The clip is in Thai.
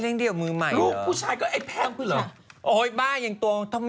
พี่ปุ้ยลูกโตแล้ว